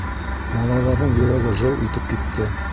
Малайҙарҙың йөрәге жыу итеп китте.